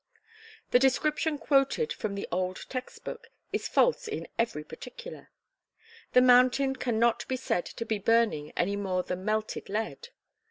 The description quoted from the old text book is false in every particular. The mountain can not be said to be burning any more than melted lead.